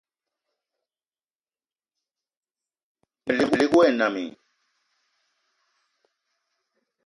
Na melig wa e nnam i?